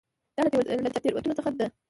دا له تېروتنو څخه ده.